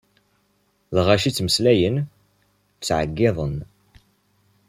Lɣaci ttmeslayen, ttɛeggiḍen.